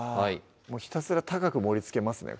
ひたすら高く盛りつけますね